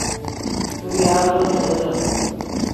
تو یارݱو دیہیتے